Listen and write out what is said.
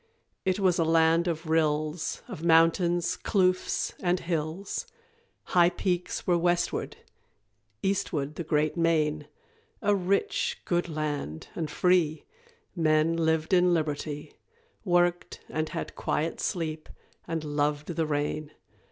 It was a land of rills, Of mountains, kloofs, and hills; High peaks were westward; eastward the great main A rich good land, and free Men lived in liberty, Worked and had quiet sleep, and loved the rain.